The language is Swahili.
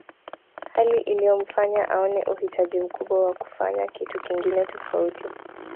Hali iliyomfanya aone uhitaji mkubwa wa kufanya kitu kingine tofauti